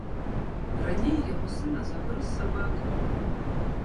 Раней яго сына загрыз сабака.